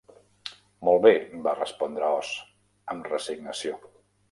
"Molt bé", va respondre Oz, amb resignació.